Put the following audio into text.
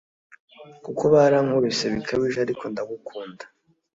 kuko barankubise bikabije ariko ndagukunda.